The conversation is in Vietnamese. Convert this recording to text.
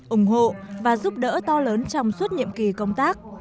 ủng hộ và giúp đỡ to lớn trong suốt nhiệm kỳ công tác